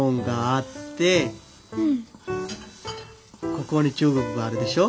ここに中国があるでしょ。